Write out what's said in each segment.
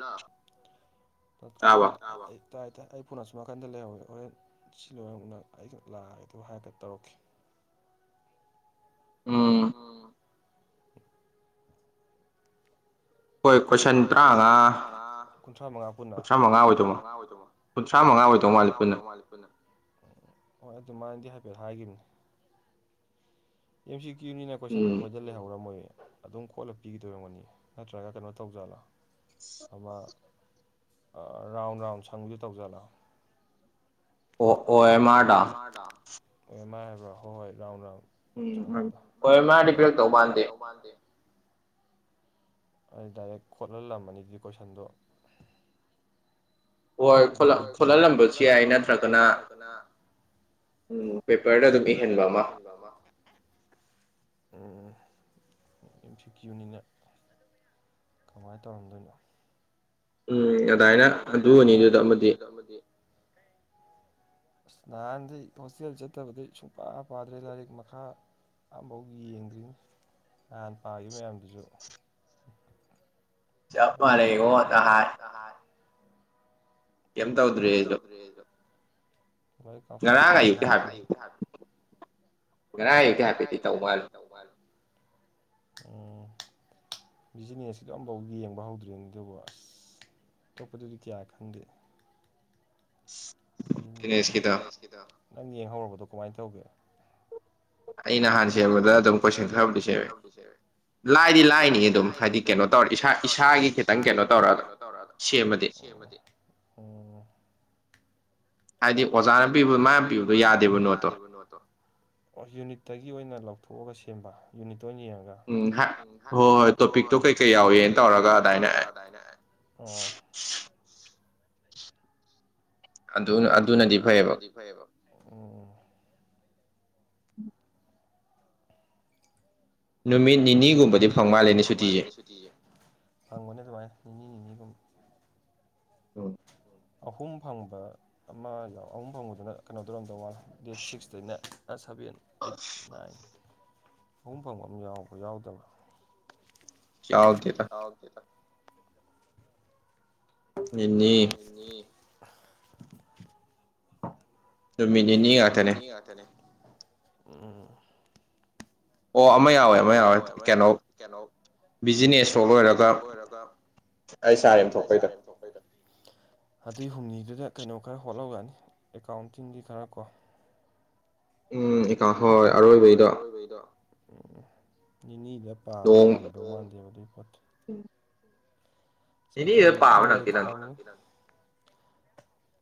ꯂ ꯇ ꯀ꯭ꯔꯃꯗ ꯇꯥꯏ ꯇꯥꯏ ꯑꯩ ꯄꯨꯅꯁꯨ ꯅꯥꯀꯟꯗ ꯂꯩꯍꯧꯋꯦ ꯍꯣꯔꯦꯟ ꯁꯤ ꯂꯣꯏꯅꯃꯛꯅ ꯑꯩꯒ ꯂꯥꯛꯑꯒꯗꯣ ꯍꯥꯏꯔꯒ ꯇꯧꯔꯛꯈꯤ ꯎꯝ [unintelligible] ꯀꯨꯟꯊ꯭ꯔꯥ ꯃꯉꯥ ꯄꯨꯟꯅ ꯀꯨꯟꯊ꯭ꯔꯥꯉꯥ ꯑꯣꯏꯗꯃ ꯀꯨꯟꯊ꯭ꯔꯥ ꯃꯉꯥ ꯑꯣꯏꯗꯧ ꯃꯥꯜꯜꯂꯤ ꯑꯩꯈꯣꯏꯅ ꯎꯝ ꯍꯣꯏ ꯑꯗꯨ ꯃꯥꯅꯗꯤ ꯍꯥꯏꯐꯦꯠ ꯍꯥꯏꯈꯤꯕꯅꯤ ꯑꯦꯝ ꯁꯤ ꯀ꯭ꯨꯅꯤꯅ ꯀꯣꯏꯁꯟꯗ ꯑꯩꯈꯣꯏ ꯗ ꯂꯩꯍꯧꯔꯝꯃꯣꯏ ꯑꯗꯨꯝ ꯀꯣꯠꯂ ꯄꯤꯈꯤꯗꯣꯏꯔꯝꯒꯅꯤ ꯅꯠꯇ꯭ꯔꯒ ꯀꯩꯅꯣ ꯇꯧꯖꯥꯠꯂꯥ ꯑꯃ ꯔꯥꯎꯟ ꯔꯥꯎꯟ ꯁꯪꯁꯨ ꯇꯧꯖꯜꯠꯂ ꯑꯣ ꯑꯦꯝ ꯑꯥꯔꯗ ꯑꯣ ꯑꯦꯝ ꯑꯥꯔ ꯍꯥꯏꯕ ꯍ ꯍꯣꯏ ꯔꯥꯎ ꯂꯥꯎ ꯃꯥ ꯄꯔꯛꯇꯧ ꯄꯥꯟꯗꯦ ꯑꯩ ꯗꯥꯏꯔꯦꯛ ꯈꯣꯠꯍꯜꯂꯝꯃꯅꯤꯗꯤ ꯀꯣꯏꯁꯟꯗꯣ ꯍꯣꯏ ꯊꯣꯛꯣꯍꯜꯂꯝꯕꯁꯨ ꯌꯥꯏ ꯅꯠꯇ꯭ꯔꯒꯅ ꯎꯝ ꯄꯦꯄꯔꯗ ꯑꯗꯨꯝ ꯏꯍꯟꯕ ꯑꯃ ꯌꯁꯨꯒꯤ ꯌꯅꯤꯅ ꯀꯃꯥꯏꯅ ꯇꯧꯔꯝꯗꯣꯏꯅꯣ ꯎꯝ ꯑꯗꯨꯗꯥꯏꯅ ꯑꯗꯨꯅꯤ ꯑꯗꯨꯗ ꯑꯃꯗꯤ ꯑꯁ ꯅꯍꯥꯟꯗꯤ ꯍꯣꯁꯇꯦꯜ ꯆꯠꯇꯕꯗꯤ ꯁꯨꯡꯄꯥ ꯄꯥꯗ꯭ꯔꯦ ꯂꯥꯏꯔꯤꯛ ꯃꯈꯥ ꯑꯐꯧ ꯌꯦꯡꯗ꯭ꯔꯤꯅꯤ ꯅꯍꯥꯟ ꯄꯥꯈꯤꯕ ꯃꯌꯥꯝꯗꯨꯁꯨ ꯀꯔꯦ ꯍꯥ ꯀꯩꯝ ꯇꯧꯗ꯭ꯔꯤ ꯑꯩꯗꯣ ꯂꯣꯏ ꯀꯥꯎꯁꯜꯂꯛꯄꯣꯏ ꯉꯥꯡ ꯉꯔꯥꯡ ꯑꯌꯨꯛꯛꯇꯦ ꯍꯥꯏꯐꯦꯠꯇꯤ ꯇꯧ ꯃꯥꯜꯂꯨ ꯎꯝ ꯕꯤꯖꯤꯅꯦꯁꯁꯤꯗ ꯑꯝꯐꯥꯎ ꯌꯦꯡꯕ ꯍꯧꯗ꯭ꯔꯤꯕꯅꯤ ꯑꯗꯨꯕꯨ ꯑꯁ ꯑꯇꯣꯞꯄꯗꯗꯤ ꯀꯌꯥ ꯈꯪꯗꯦ [unintelligible] ꯅꯪ ꯌꯦꯡꯍꯧꯔꯕꯗꯣ ꯀꯃꯥꯏꯅ ꯇꯧꯒꯦ ꯑꯩ ꯅꯍꯥꯟ ꯁꯦꯝꯕꯗ ꯑꯗꯨꯝ ꯀꯣꯏꯁꯟ ꯈꯗꯤ ꯁꯦꯔꯦ ꯂꯥꯏꯗꯤ ꯂꯥꯏꯅꯤ ꯑꯗꯨꯝ ꯍꯥꯏꯗꯤ ꯀꯩꯅꯣ ꯇꯧꯔꯦ ꯏꯁꯥ ꯏꯁꯥꯒꯤ ꯈꯤꯇꯪ ꯀꯩꯅꯣ ꯇꯧꯔ ꯑꯗꯨ ꯁꯦꯝꯕꯗꯤ ꯍꯥꯏꯗꯤ ꯑꯣꯖꯥꯅ ꯄꯤꯕ ꯃꯥꯅ ꯄꯤꯕꯗꯣ ꯌꯥꯗꯦꯕ ꯅꯣꯠꯇꯣ ꯑꯣ ꯌꯨꯅꯤꯠꯇꯒꯤ ꯑꯣꯏꯅ ꯂꯧꯊꯣꯛꯑꯒ ꯁꯦꯝꯕ ꯌꯨꯅꯤꯠꯇ ꯑꯣꯏꯅ ꯌꯦꯡꯉꯒ ꯎꯝ ꯍꯣꯏ ꯍꯣꯏ ꯇꯣꯄꯤꯛꯇꯣ ꯀꯩꯀꯩ ꯌꯥꯎꯋꯦꯅ ꯇꯧꯔꯒ ꯑꯗꯨꯗꯥꯥꯏꯅ ꯎ ꯑꯗꯨ ꯑꯗꯨꯅꯗꯤ ꯐꯩꯌꯦꯕ ꯅꯨꯃꯤꯠ ꯅꯤꯅꯤꯒꯨꯝꯕꯗꯤ ꯐꯪ ꯃꯥꯜꯂꯦꯅꯦ ꯁꯨꯇꯤꯁꯦ ꯐꯪꯕꯅꯦ ꯁꯃꯥꯏꯅ ꯅꯤꯅꯤ ꯅꯤꯅꯤꯒꯨꯝꯕ ꯎꯝ ꯑꯍꯨꯝ ꯐꯪꯕ ꯑꯃ ꯌꯥꯎ ꯑꯍꯨꯝ ꯐꯪꯕꯗꯨꯅ ꯀꯩꯅꯣ ꯇꯧꯔꯝꯗ ꯋꯥꯟ ꯗꯦꯠ ꯁꯤꯛꯁꯇꯩꯅ ꯁꯕꯦꯟ ꯑꯩꯠ ꯅꯥꯏꯟ ꯄꯨꯡꯐꯝ ꯑꯃ ꯌꯥꯎꯕ꯭ꯔ ꯌꯥꯎꯗꯕ꯭ꯔꯥ ꯌꯥꯗꯦꯗ ꯑꯣꯀꯦꯗ ꯏꯅꯤ ꯏꯅꯤ ꯅꯨꯃꯤꯅꯤꯠꯅꯤ ꯉꯥꯛꯇꯅꯦ ꯎꯝꯝ ꯑꯣ ꯑꯃ ꯌꯥꯎꯋꯦ ꯑꯃ ꯌꯥꯎꯋꯦ ꯀꯩꯅꯣ ꯕꯤꯖꯤꯅꯦꯁꯇ ꯂꯣꯏꯔꯒ ꯑꯩ ꯁꯥꯔꯦ ꯊꯣꯛꯄꯩꯗ‌ꯣ ꯑꯗꯨꯏ ꯍꯨꯝꯅꯤꯗꯨꯗ ꯀꯩꯅꯣ ꯈꯔ ꯍꯣꯠꯍꯧ ꯌꯥꯅꯤ ꯑꯦꯀꯥꯎꯟ ꯁꯤꯡꯒꯤ ꯈꯔ ꯀꯣ ꯎꯝ ꯑꯦꯀꯥꯎꯟ ꯍ‌ꯣꯏ ꯍꯣꯏ ꯑꯔꯣꯏꯕꯩꯗꯣ ꯎꯝ ꯅꯤꯅꯤꯗ ꯄꯥꯕꯗꯣ ꯅꯪꯗꯧ ꯃꯥꯟꯗꯦꯕ ꯑꯗꯨꯏ ꯄꯣꯠꯇꯤ ꯑꯁ ꯃꯇꯝꯗ ꯁꯤꯗꯤ ꯌꯥꯝ ꯂꯩꯇꯔꯕꯅꯤ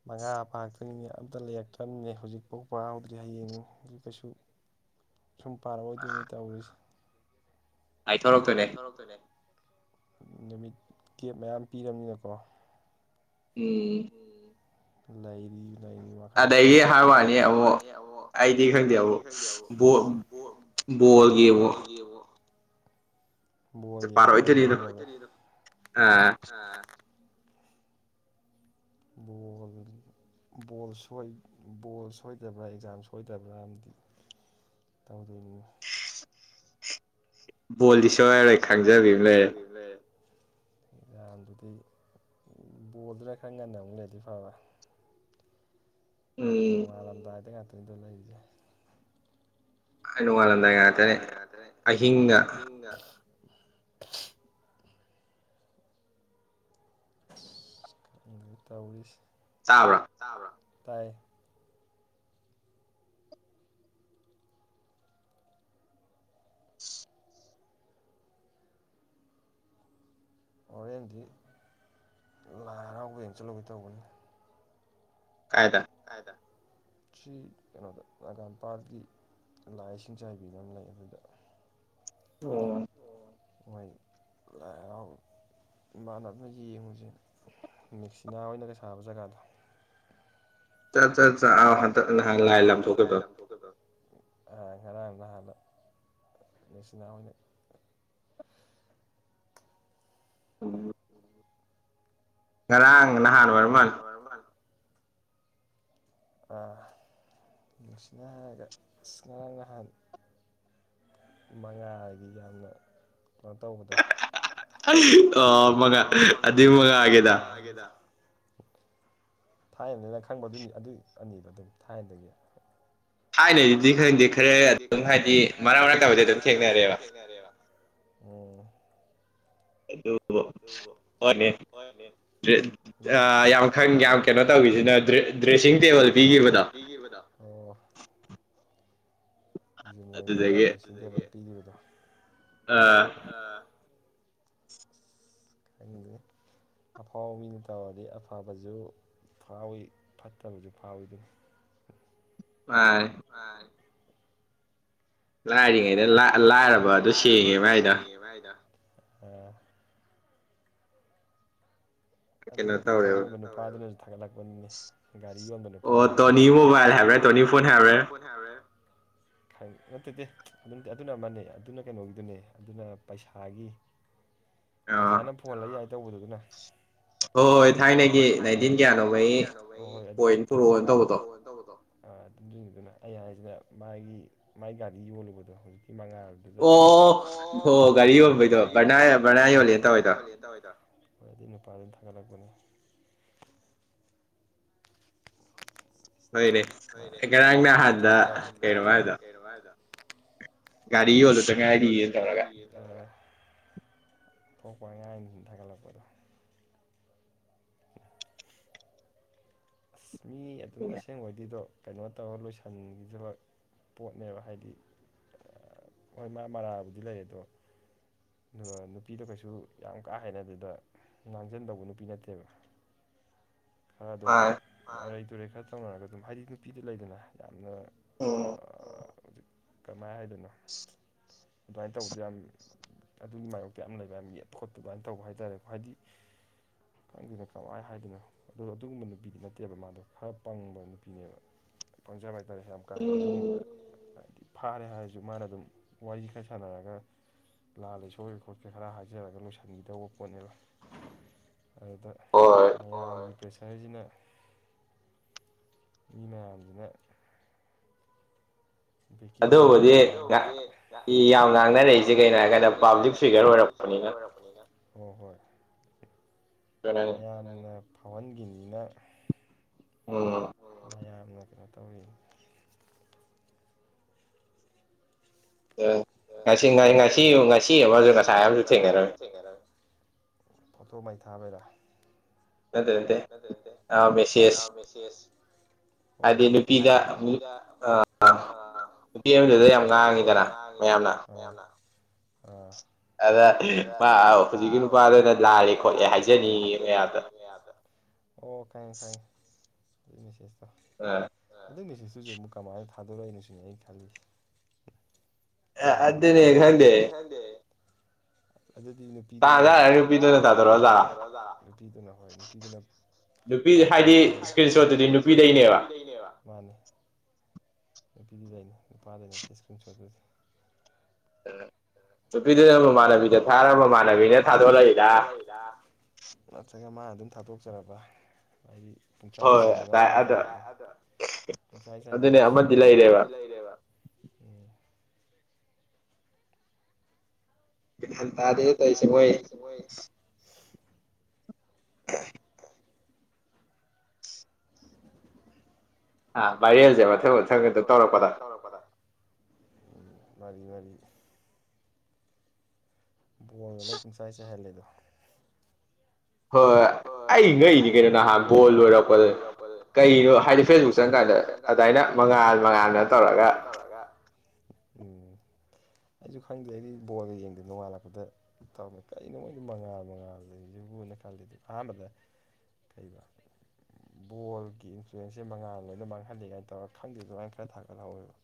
ꯃꯉꯥ ꯐꯥꯔꯛꯇ꯭ꯣꯏꯅꯤꯅꯦ ꯑꯝꯇ ꯂꯩꯔꯛꯇ꯭ꯔꯕꯅꯤꯅꯦ ꯍꯧꯖꯤꯛꯐꯥꯎ ꯄꯥ ꯍꯧꯗ꯭ꯔꯤ ꯍꯌꯦꯡꯅꯤ ꯗꯨ ꯀꯩꯁꯨ ꯁꯨꯝ ꯄꯥꯔꯛꯑꯣꯏꯗꯣꯏꯅꯤ ꯇꯧꯔꯤꯁꯦ ꯊꯣꯔꯛꯇꯣꯏꯅꯦ ꯅꯨꯃꯤꯠ ꯀꯦꯞ ꯃꯌꯥꯝ ꯄꯤꯔꯕꯅꯤꯅꯀꯣ ꯎꯝ ꯎꯝ ꯂꯩꯔꯤ ꯂꯩꯔꯤ ꯑꯁ ꯑꯗꯒꯤ ꯍꯥꯏ ꯋꯥꯅꯤ ꯑꯃꯨꯛ ꯑꯩꯗꯤ ꯈꯪꯗꯦ ꯑꯃꯨꯛ ꯕꯣꯜꯒꯤ ꯃꯨꯛ ꯕ‌ꯣꯜ ꯌ‌ꯦꯡꯉꯥ ꯑꯃꯨꯛ ꯂꯩꯈꯤ ꯕꯣꯜ ꯕꯣꯜ ꯁ‌ꯣꯏ ꯕꯣꯜ ꯁꯣꯏꯗꯕ꯭ꯔꯥ ꯑꯦꯛꯖꯥꯝ ꯁꯣꯏꯗꯕ꯭ꯔꯥ ꯑꯃꯗꯤ ꯇꯧꯗꯣꯏꯅꯤ ꯕꯣꯜꯗꯤ ꯕꯣꯜꯗꯤ ꯁ‌ꯣꯔꯔ‌ꯣꯏ ꯈꯪꯖꯕꯤ ꯑꯃ ꯂꯩꯔ‌ꯦ ꯕꯣꯜꯗꯨꯅ ꯈꯔ ꯉꯟꯅ ꯑꯃꯨꯛ ꯂꯩꯔꯗꯤ ꯐꯕ ꯅꯣꯡꯉꯥꯜꯂꯝꯗꯥꯏꯗ ꯉꯥꯛꯇꯅꯤꯗꯣ ꯂꯩꯔꯤꯁꯦ ꯑꯥ ꯅꯣꯡꯉꯥꯜꯂꯝꯗꯥꯏ ꯉꯥꯛꯇꯅꯦ ꯑꯍꯤꯡꯗ ꯑꯗꯨꯅ ꯈꯪꯗꯔ‌ꯦ ꯇꯧꯔꯤꯁ‌ꯦ ꯇꯕ꯭ꯔꯥ ꯇꯥꯕ꯭ꯔ ꯇꯥꯏꯌꯦ ꯍꯣꯔꯦꯟꯗꯤ ꯂꯥꯏ ꯍꯔꯥꯎꯕ ꯌꯦꯡ ꯆꯜꯂꯨꯒꯦ ꯇꯧꯕꯅꯤ ꯀꯥꯏꯗ ꯀꯥꯏꯗ ꯁꯤ ꯀꯩꯅꯣꯗ ꯅꯒꯥꯝꯄꯥꯥꯟꯒꯤ ꯂꯥꯏ ꯁꯤꯡꯆꯥꯏꯕꯤꯅ ꯑꯃ ꯂꯩ ꯑꯗꯨꯗ ꯑꯣ ꯑꯣ ꯃ‌ꯣꯏ ꯂꯥꯏ ꯍꯔꯥꯎꯕ ꯏꯃꯥꯟꯅꯕꯅ ꯌꯦꯡꯉꯨꯁꯦ ꯃꯦꯛꯁꯤꯅꯥ ꯍ‌ꯣꯏꯅꯒ ꯁꯥꯕ ꯖꯒꯥꯗꯣ ꯆꯥ ꯆꯥ ꯆꯥ ꯑꯣ ꯍꯟꯗꯛ ꯅꯍꯥꯟ ꯂꯥꯏ ꯂꯝ ꯊ‌ꯣꯛꯈꯤꯕꯗ‌ꯣ ꯑꯥ ꯉꯔꯥꯡ ꯅꯍꯥꯟꯅ ꯃ‌ꯦꯛꯁꯤꯅ ꯍ‌ꯣꯏꯅ ꯎꯝ ꯎꯝ ꯉꯔꯥꯡ ꯅꯍꯥꯟ ꯑꯣꯏꯔ ꯃꯜꯂ‌ꯦ ꯑꯥ ꯃ‌ꯦꯛꯁꯤꯅ ꯍꯥꯏꯔꯒ ꯏꯁ ꯉꯔꯥꯡ ꯅꯍꯥꯟ ꯃꯉꯥꯜꯒꯤ ꯌꯥꯝꯅ ꯀꯩꯅꯣ ꯇꯧꯕꯗꯣ ꯑꯣ ꯃꯉꯥꯜ ꯑꯗꯨꯏ ꯃꯉꯥꯜꯒꯤꯗ‌ꯣ ꯊꯥꯏꯅꯗꯒꯤ ꯈꯪꯕꯔ‌ꯣ ꯅꯪ ꯑꯗꯨꯏ ꯑꯗꯨꯏ ꯑꯅꯤꯗ‌ꯣ ꯑꯗꯨꯝ ꯊꯥꯏꯅꯗꯒꯤ ꯊꯥꯏꯅꯒꯤꯗꯤ ꯈꯪꯗꯦ ꯈꯔ ꯑꯗꯨꯝ ꯍꯥꯏꯗꯤ ꯃꯔꯥꯡ ꯃꯔꯥꯡ‌ ꯇꯧꯕꯗꯤ ꯑꯗꯨꯝ ꯊꯦꯡꯅꯔꯦꯕ ꯑꯣ ꯑꯗꯨ ꯑꯗꯨꯕꯨ ꯍꯣꯏ ꯑꯥ ꯌꯥꯝ ꯈꯪ ꯌꯥꯝ ꯀꯩꯅꯣ ꯇꯧꯔꯤꯁꯤꯅ ꯗ꯭ꯔꯦ ꯗ꯭ꯔ‌ꯦꯁꯤꯡ ꯇꯦꯕꯜ ꯄꯤꯈꯤꯕꯗꯣ ꯑꯣ ꯖꯨꯟꯔꯩꯑꯣꯟ ꯅ ꯗ꯭ꯔꯦꯁꯤꯡ ꯇ‌ꯦꯕꯜ ꯄꯤꯈꯤꯕꯗꯣ ꯈꯪꯗ‌ꯦ ꯑꯐꯥꯎꯕ ꯃꯤꯅ ꯇꯧꯔꯗꯤ ꯑꯐꯕꯁꯨ ꯐꯥꯎꯋꯤ ꯐꯠꯇꯕꯁꯨ ꯐꯥꯎꯋꯤ ꯑꯗꯨꯝ ꯑ ꯑ ꯂꯥꯏꯦ ꯂꯥꯏꯔꯤꯉꯩꯗ ꯂꯥꯏꯔꯕ ꯑꯗꯨ ꯁꯦꯡꯉꯦ ꯚꯥꯏꯗ ꯑꯗꯨꯒ ꯀꯩꯅꯣ ꯑ ꯑꯣꯏꯕ ꯅꯨꯄꯥꯗꯨꯅꯁꯨ ꯊꯥꯒꯠꯂꯛꯄꯅꯤꯅꯤ ꯒꯥꯔꯤ ꯌꯣꯟꯕ ꯅꯨꯄꯥꯗꯨꯅꯤꯁꯨ ꯑꯣ ꯇꯣꯅꯤ ꯃꯣꯕꯥꯏꯜ ꯍꯥꯏꯕ꯭ꯔꯦ ꯇꯣꯅꯤ ꯐꯣꯟ ꯍꯥꯏꯕ꯭ꯔꯦ ꯅꯠꯇꯗꯦ ꯑꯗꯨꯝ ꯑꯗꯨꯅ ꯑꯃꯅꯤꯅꯦ ꯑꯗꯨꯅ ꯀꯩꯅꯣꯒꯤꯗꯨꯅꯦ ꯑꯗꯨꯅ ꯄꯩꯁꯥꯒꯤ ꯄꯩꯁꯥꯅ ꯐꯣꯜꯂ ꯌꯥꯏ ꯇꯧꯕꯗꯨꯗꯨꯅ ꯍ ꯍꯣꯏ ꯍꯣꯏ ꯊꯥꯏꯅꯒꯤ ꯅꯥꯏꯟꯇꯤꯟ ꯀꯌꯥꯅꯣ ꯑꯩꯒꯤꯛꯑꯣꯅ ꯇꯧꯕꯗꯣ ꯑꯗꯨꯗꯨꯏꯅꯤꯗꯨꯅ ꯑꯩ ꯍꯥꯏꯁꯤꯅ ꯃꯥꯒꯤ ꯃꯥꯒꯤ ꯒꯥꯔꯤ ꯌꯣꯜꯂꯨꯕꯗꯣ ꯍꯧꯖꯤꯛꯀꯤ ꯃꯉꯥꯜꯗ ꯑꯣ ꯑꯣꯔꯤꯣꯗꯏꯣ ꯂꯦ ꯇꯗ ꯍꯈꯣꯏꯗꯤ ꯅꯨꯄꯥꯗꯤ ꯊꯥꯒꯠꯂꯛꯄꯅꯦ ꯍꯣꯏꯅꯦ ꯑꯩ ꯉꯔꯥꯡ ꯅ ꯑꯍꯥꯟꯗ ꯀꯩꯅꯣ ꯍꯥꯏꯗꯣ ꯗ ꯌꯥꯔꯤ ꯏꯣꯗ ꯀꯔꯤ ꯊꯣꯛꯄ ꯉ ꯑꯩꯅꯁꯤꯡ ꯊꯥꯒꯠꯂꯛꯄꯗꯣ ꯑꯁ ꯃꯤ ꯑꯗꯨꯝ ꯑꯁꯦꯡ ꯑꯣꯏꯗꯗꯣ ꯀꯩꯅꯣ ꯇꯧꯔ ꯂꯣꯏꯁꯤꯟꯈꯤꯗꯕ ꯄꯣꯠꯅꯦꯕ ꯍꯥꯏꯗꯤ ꯍꯣꯏ ꯃꯥ ꯃꯔꯥꯕꯨꯗꯤ ꯂꯩ ꯑꯗꯣ ꯑꯗꯨꯒ ꯅꯨꯄꯤꯗꯣ ꯀꯩꯁꯨ ꯌꯥꯝ ꯀꯥ ꯍꯦꯟꯅ ꯑꯗꯨꯗ ꯉꯥꯡꯁꯤꯟꯗꯧꯕ ꯅꯨꯄꯤ ꯅꯠꯇꯦꯕ ꯈꯔ ꯑꯗꯨꯝ ꯑꯔꯩ ꯇꯨꯔꯩ ꯈꯔ ꯇꯧꯅꯔꯒ ꯑꯗꯨꯝ ꯍꯥꯏꯗꯤ ꯅꯨꯄꯤꯗ ꯂꯩꯗꯅ ꯌꯥꯝꯅ ꯍꯧꯖꯤꯛ ꯀꯃꯍꯥꯏꯅ ꯍꯥꯏꯗꯣꯏꯅꯣ ꯑꯗꯨꯃꯥꯏꯅ ꯇꯧꯕꯗꯣ ꯌꯥꯝ ꯑꯗꯨꯒꯤ ꯃꯥꯏꯌꯣꯛꯇ ꯌꯥꯝ ꯂꯩꯕ ꯌꯥꯝ ꯌꯦꯠꯄ ꯈꯣꯠꯄ ꯑꯗꯨꯃꯥꯏꯅ ꯇꯧꯕ ꯍꯥꯏꯇꯥꯥꯔꯦꯀꯣ ꯍꯥꯏꯗꯤ ꯈꯪꯒꯤꯅ ꯀꯃꯥꯏ ꯍꯥꯏꯗꯣꯏꯅꯣ ꯑꯗ ꯑꯗꯨꯒꯨꯝꯕ ꯅꯨꯄꯤꯗꯤ ꯅꯠꯇꯦꯕ ꯃꯥꯗꯣ ꯈꯔ ꯄꯪꯕ ꯅꯨꯄꯤꯅꯦꯕ ꯄꯪꯖꯕ ꯍꯥꯏꯇꯥꯔꯦ ꯌꯥꯝ ꯀꯥꯏꯅ ꯑꯗꯨꯒꯨꯝꯕꯗ ꯍꯥꯏꯗꯤ ꯐꯥꯔꯦ ꯍꯥꯏꯔꯁꯨ ꯃꯥꯅ ꯑꯗꯨꯝ ꯋꯥꯔꯤ ꯈꯔ ꯁꯥꯟꯅꯔꯒ ꯂꯥꯜꯂꯦ ꯁꯣꯏꯒꯦ ꯈꯣꯠꯀꯦ ꯈꯔ ꯍꯥꯏꯖꯔꯒ ꯂꯣꯏꯁꯤꯟꯈꯤꯗꯧꯕ ꯄꯣꯠꯅꯦꯕ ꯑꯗꯨꯗ ꯃꯒꯤ ꯄ꯭ꯔꯦꯁꯔꯁꯤꯅ ꯃꯤ ꯃꯌꯥꯝꯁꯤꯅ ꯑꯣ ꯍꯧꯖꯤꯛ ꯌꯥꯝ ꯉꯥꯡꯅ ꯂꯩꯏꯁꯦ ꯀꯩꯅꯣ ꯍꯥꯏꯔꯀꯥꯟꯗ ꯁꯤꯒ ꯑꯣꯏꯔꯄꯅꯤꯅ ꯍ ꯍꯣꯏ ꯃꯌꯥꯝꯅꯅ ꯐꯥꯎꯍꯟꯈꯤꯕꯅꯤꯅ ꯑꯣ ꯃꯌꯥꯝꯅ ꯀꯩꯅꯣ ꯇꯧꯔꯤ ꯉꯁꯤ ꯉ ꯉꯁꯤ ꯉꯁꯤ ꯑꯃꯁꯨ ꯉꯁꯥꯏ ꯑꯃꯁꯨ ꯊꯦꯡꯅꯔꯃꯤꯦ ꯀꯔꯦ ꯐꯣꯇꯣ ꯃꯩ ꯊꯥꯕꯔ ꯑꯗꯨꯗ ꯅꯠꯇ ꯅꯠꯇꯦ ꯑ ꯃꯦꯁꯁ ꯑꯣꯀ ꯅꯨ ꯦꯝꯗꯨꯗ ꯌꯥꯝ ꯉꯥꯡꯉꯤꯗꯔ ꯃꯌꯥꯝꯅ ꯎ ꯑꯗ ꯍꯧꯖꯤꯛꯀꯤ ꯅꯨꯄꯥꯗ ꯑꯣꯏꯅ ꯂꯥꯜꯂꯦ ꯈꯣꯠꯂꯦ ꯍꯥꯏꯖꯅꯤꯡꯉꯦ ꯃꯌꯥꯝꯗ ꯑꯣ ꯈꯥꯏꯦ ꯐꯥꯏꯦ ꯑꯗꯨ ꯃꯤꯁꯦꯖꯇꯣ ꯑ ꯑꯗꯨꯏ ꯁꯤꯁꯤꯁꯨ ꯑꯃꯨꯛ ꯀꯃꯥꯏꯅ ꯊꯥꯗꯣꯔꯛꯏꯅꯣ ꯁꯤꯅꯦ ꯑꯩ ꯈꯜꯂꯤ ꯑꯦꯅꯦꯦ ꯑꯗꯨꯗꯤ ꯅꯨꯄꯤꯗꯨꯅ ꯅꯨꯄꯤꯗꯨꯅ ꯍꯣꯏ ꯅꯨꯄꯤꯗꯨꯅ ꯅꯨ ꯍꯥꯏꯗꯤ ꯏꯁꯀ꯭ꯔꯤꯟ ꯁꯣꯠꯇꯨꯗꯤ ꯅꯨꯄꯤꯗꯩꯅꯦꯕ ꯃꯥꯔꯅꯤ ꯅ ꯄꯕꯤꯖꯤꯣꯏꯅ ꯅ ꯄꯥꯗꯅ ꯇꯁ ꯀ ꯆꯗꯦꯁ ꯑꯗꯨ ꯅꯨꯄꯤꯗꯨꯅ ꯃꯃꯥꯟꯅꯕꯤꯗ ꯊꯥꯔꯒ ꯃꯃꯥꯟꯅꯕꯤꯅ ꯊꯥꯗꯣꯔꯂꯛꯏꯗ ꯗ ꯅꯠꯇ꯭ꯔꯒ ꯃꯥꯅ ꯑꯗꯨꯝ ꯊꯥꯗꯣꯛꯆꯔꯕ ꯍꯥꯏꯗꯤ ꯆꯥꯏꯁꯔꯦ ꯄꯆꯥꯏ ꯆꯥꯏꯅꯕ ꯁꯤ ꯂꯩꯔꯦ ꯑꯃꯗꯤ ꯂꯩꯔꯦꯕ ꯎꯝ ꯇꯗ ꯇꯥꯏꯁꯦ ꯃꯣꯏ ꯑꯩꯣꯏ ꯍ [unintelligible] ꯑꯥ ꯏꯔꯖꯕ ꯊ ꯊꯒ ꯇꯧꯔ ꯀꯔ ꯎ ꯃꯔꯤ ꯃꯔꯤ ꯕꯣꯜꯗ ꯂꯣꯏ ꯄꯨꯝꯁꯥꯏ ꯆꯥꯏꯍꯜꯂꯦꯗꯣ ꯍꯣꯏ ꯍꯣꯏ ꯑꯩ ꯉꯛꯗꯤ ꯀꯩꯅꯣ ꯅꯍꯥꯟ ꯕꯣꯜ ꯂꯣꯏꯔꯛꯄꯗ ꯀꯩꯅꯣ ꯍꯥꯏꯗꯤ ꯐꯦꯁꯕꯨꯛ ꯆꯪ ꯀꯥꯟꯗ ꯑꯗꯨꯃꯥꯏꯅ ꯃꯉꯥꯜ ꯃꯉꯥꯜꯅ ꯇꯧꯔꯒ ꯎꯝ ꯑꯩꯁꯨ ꯈꯪꯗꯦ ꯑꯩꯗꯤ ꯕꯣꯜꯗ ꯌꯦꯡꯗꯦ ꯅꯣꯡꯉꯥꯜꯂꯛꯄꯗ ꯇꯧ ꯀꯩꯅꯣ ꯃꯣꯏꯒꯤ ꯃꯉꯥꯜ ꯃꯉꯥꯜꯗꯁꯤꯕꯨꯅ ꯈꯜꯂꯤꯗꯤ ꯑꯍꯥꯟꯕꯗ ꯊꯩꯕ ꯕꯣꯜ ꯏꯟꯐ꯭ꯂꯨꯌꯦꯟꯁꯦ ꯃꯉꯥꯜ ꯂꯣꯏꯅ ꯃꯥꯡꯍꯜꯂꯤꯂꯦ ꯀꯥꯏꯅ ꯇꯧꯔ ꯈꯪꯗꯦ ꯑꯗꯨꯃꯥꯏꯅ ꯈꯔ ꯊꯥꯒꯠꯍꯧꯋꯦꯕ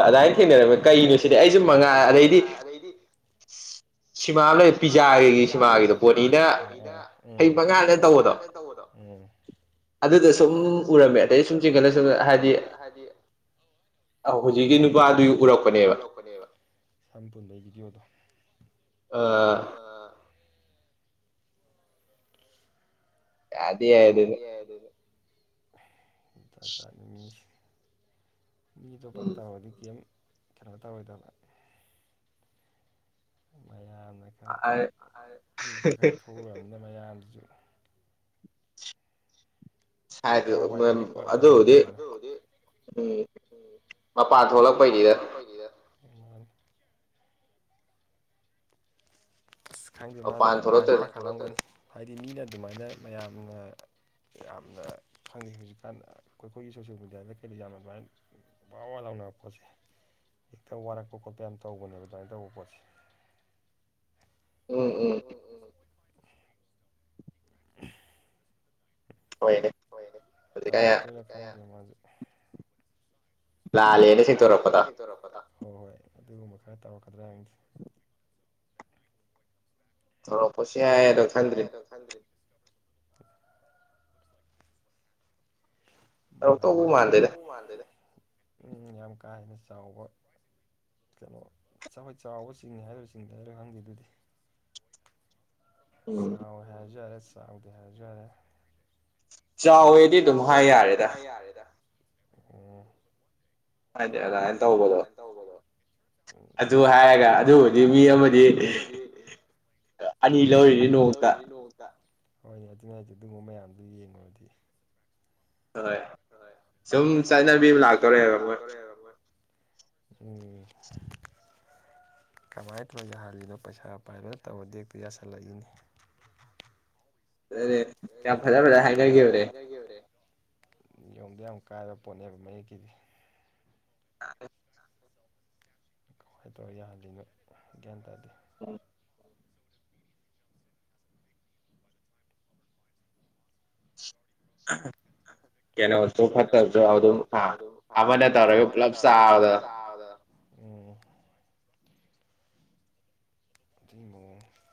ꯍꯣꯏ ꯍꯣꯏꯣꯏ ꯑꯗꯨꯃꯥꯏꯅ ꯊꯦꯡꯅꯔꯝꯃꯦ ꯀꯩꯅꯣ ꯁꯤꯗꯤ ꯑꯩꯁꯨ ꯃꯉꯥ ꯑꯗꯩꯗꯤ ꯁꯤꯃꯥ ꯂꯩꯣꯏ ꯄꯤꯖꯥꯒꯤ ꯁꯤꯃꯥꯒꯤꯗꯣ ꯄꯣꯠꯅꯤꯗ ꯍ ꯃꯉꯥꯗ ꯇꯧꯕꯗꯣ ꯑꯗꯨꯗ ꯁꯨꯝ ꯎꯔꯝꯃꯦ ꯑꯗꯩ ꯁꯨꯝ ꯆꯤꯡꯈꯠꯂꯁꯤ ꯍꯥꯏꯗꯤ ꯑ ꯍꯧꯖꯤꯛꯀꯤ ꯅꯨꯄꯥꯗꯨꯒꯤ ꯎꯔꯛꯄꯅꯦꯕ ꯁꯝ ꯄꯨꯨꯟꯕꯒꯤ ꯚꯤꯗꯤꯑꯣꯗꯣ ꯑ ꯑꯥ ꯑꯗ ꯍꯥꯏ ꯑꯗꯨ ꯏ ꯆ ꯆ ꯃꯤꯁ ꯃꯤ ꯇꯣꯄꯅ ꯇꯥꯔꯗꯤ ꯀꯦꯝ ꯀꯩꯅꯣ ꯇꯧꯋꯦꯗꯅ ꯃꯌꯥꯝꯅ ꯈꯔ ꯈꯔ ꯊꯣꯛꯂꯕꯅꯤꯅ ꯃꯌꯥꯝꯁꯤꯁꯨ ꯑꯐꯥꯎ ꯄꯥꯏ ꯑꯣꯏ ꯇ ꯍꯥꯏꯒ ꯎꯝ ꯃꯄꯥꯟ ꯊꯣꯛꯂꯛꯄꯒꯤꯗ ꯈꯥꯡꯗꯦ ꯃꯥꯗꯣ ꯄꯗꯤ ꯄꯥꯈꯠꯂꯝꯒꯅꯤ ꯍꯥꯏꯗꯤ ꯃꯤꯅ ꯑꯗꯨꯃꯥꯏꯅ ꯃꯌꯥꯝꯅ ꯌꯥꯝꯅ ꯐꯪꯉꯤ ꯍꯧꯖꯤꯛꯀꯥꯟꯗ ꯑꯩꯈꯣꯏꯒꯤ ꯁꯣꯁꯦꯜ ꯃꯦꯗꯤꯌꯥꯗ ꯀꯩꯗ ꯌꯥꯝ ꯑꯗꯨꯃꯥꯏꯅ ꯐ ꯋꯥ ꯂꯥꯎꯅꯕ ꯄꯣꯠꯁꯦ ꯍꯦꯛꯇ ꯋꯥꯔꯛꯄ ꯈꯣꯠꯄ ꯌꯥꯝ ꯇꯧꯕꯅꯦꯕ ꯑꯗꯨꯃꯥꯏꯅ ꯇꯧꯕ ꯄꯣꯠꯁꯦ ꯎꯝ ꯎꯝ [unintelligible] ꯑꯣꯏꯣꯏꯅꯦ ꯍꯣꯏꯅꯦ ꯊꯕꯛꯇꯨꯅ ꯀꯌꯥꯅꯤꯣ ꯃꯥꯣꯁꯨꯦ ꯂ ꯂꯩꯦ ꯂꯥꯜꯂꯦꯅ ꯁꯤꯣꯔꯛꯄꯗ ꯍꯣꯏ ꯍꯣꯏ ꯑꯗꯨꯒꯨꯝꯕ ꯈꯔ ꯇꯧꯔꯛꯀꯗ꯭ꯔꯥ ꯍꯥꯏꯪꯁꯦ ꯍꯁꯤ ꯍ ꯄꯣꯏꯁ ꯍꯥꯏꯔ ꯊꯥꯟꯗꯔꯤ ꯚꯔꯥꯧꯕꯅꯦ ꯎꯝ ꯌꯥꯝ ꯀꯥ ꯍꯦꯟꯅ ꯆꯥꯎꯕ ꯀꯩꯅꯣ ꯆꯥꯎꯈꯣꯏ ꯆꯥꯎꯒ ꯆꯤꯡꯅꯤ ꯍꯥꯏꯗꯔꯤꯕ ꯆꯤꯡꯗ ꯍꯥꯏꯔꯒ ꯈꯪꯗꯦ ꯑꯗꯨꯗꯤ ꯁꯥꯡꯒ ꯍꯥꯏꯖꯔꯦ ꯁꯥꯡꯗ ꯍꯥꯏꯖꯔꯦ ꯆꯥꯎꯋꯦꯗꯤ ꯑꯗꯨꯝ ꯍꯥꯏ ꯌꯥꯔꯦꯗ ꯌꯥꯔꯦꯗ ꯎ ꯍꯥꯏꯗꯤ ꯑꯗꯨꯃꯥꯏꯅ ꯇꯧꯕꯗꯣ ꯑꯗꯨ ꯍꯥꯏꯔꯒ ꯑꯗꯨꯕꯨꯗꯤ ꯃꯤ ꯑꯃꯗꯤ ꯑꯅꯤ ꯂꯧꯔꯤꯅꯤ ꯅꯣꯡꯃꯇ ꯍꯣꯏꯅꯦ ꯑꯗꯨꯉꯥꯏꯗ ꯑꯗꯨꯒꯨꯝꯕ ꯃꯌꯥꯝꯗꯨ ꯌꯦꯡꯉꯨꯔꯗꯤ ꯍꯣꯏ ꯁꯨꯝ ꯆꯠꯅꯕꯤ ꯑꯃ ꯂꯥꯛꯇꯧꯔꯦꯕ ꯃꯣꯏ [inaudible] ꯎꯝ ꯀꯃꯥꯏꯅ ꯇꯧꯔ ꯌꯥꯍꯜꯂꯤꯅꯣ ꯄꯩꯁꯥ ꯄꯥꯏꯕꯗ ꯇꯧꯕꯔꯗꯤ ꯍꯦꯛꯇ ꯌꯥꯁꯜꯂꯛꯏꯅꯤ [inaudible] ꯌꯥꯝ ꯐꯖ ꯐꯖ ꯍꯥꯏꯅꯈꯤꯕꯅꯦ ꯅꯤꯌꯣꯝꯗꯤ ꯌꯥꯝ ꯀꯥꯢꯕ ꯄꯣꯠꯅꯦꯕ ꯃꯛꯀꯤꯗꯤ [unintelligible] ꯀꯃꯥꯏꯅ ꯇꯧꯔ ꯌꯥꯍꯜꯂꯤꯅꯣ ꯒ꯭ꯌꯥꯟ ꯇꯥꯗꯦ [unintelligible] [inaudible] [inaudible] ꯀꯩꯅꯣ ꯆꯣ ꯍꯥ ꯑꯃꯅ ꯇꯧꯔꯒ ꯄꯨꯂꯞ ꯆꯕꯗꯣ [inaudible] ꯎꯝ [inaudible]